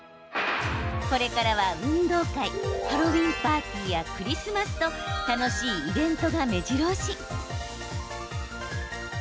これからは、運動会ハロウィーンパーティーやクリスマスと楽しいイベントが、めじろ押し。